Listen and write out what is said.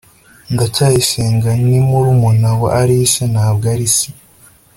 ndacyayisenga ni murumuna wa alice , ntabwo ari se